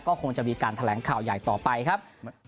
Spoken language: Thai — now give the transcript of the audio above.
ก็คงจะมีการแถลงข่าวใหญ่ต่อไปครับ